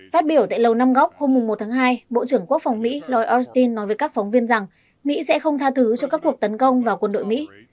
phát biểu tại lầu năm góc hôm một tháng hai bộ trưởng quốc phòng mỹ lloyd austin nói với các phóng viên rằng mỹ sẽ không tha thứ cho các cuộc tấn công vào quân đội mỹ